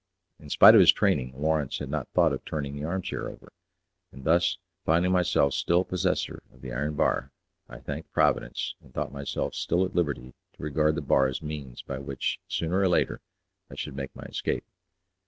In spite of his training, Lawrence had not thought of turning the armchair over; and thus, finding myself still possessor of the iron bar, I thanked Providence, and thought myself still at liberty to regard the bar as means by which, sooner or later, I should make my escape.